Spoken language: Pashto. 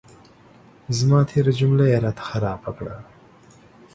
زما تېره جمله یې را ته خرابه کړه.